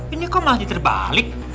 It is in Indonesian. ini kok mah citra balik